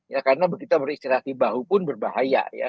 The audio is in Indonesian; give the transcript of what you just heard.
ya karena begitu beristirahat di bahu pun berbahaya ya